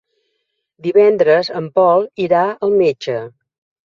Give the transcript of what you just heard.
Divendres en Pol irà al metge.